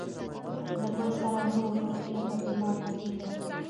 له ګل ســـــــره ورو، ورو لکه بیمار غـــــــږېده